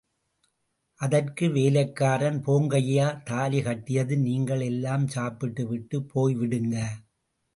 அதற்கு வேலைக்காரன்— போங்கையா—தாலி கட்டியதும் நீங்கள் எல்லாம் சாப்பிட்டுவிட்டுப் போய்விடுங்க.